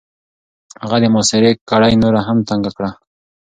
هغه د محاصرې کړۍ نوره هم تنګ کړه.